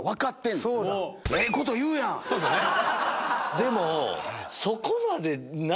でも。